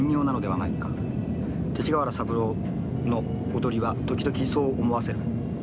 勅使川原三郎の踊りは時々そう思わせる。